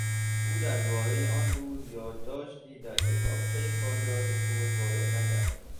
او دربارهی آن روز یادداشتی در کتابچهی خاطرات خود وارد نکرد.